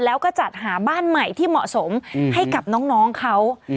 แล้วก็จัดหาบ้านใหม่ที่เหมาะสมให้กับน้องเขา